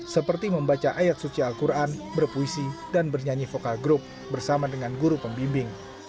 seperti membaca ayat suci al quran berpuisi dan bernyanyi vokal group bersama dengan guru pembimbing